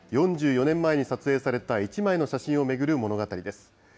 ４４年前に撮影された、一枚の写真を巡る物語です。